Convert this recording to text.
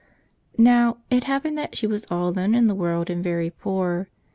Now, it hap¬ pened that she was all alone in the world and very poor.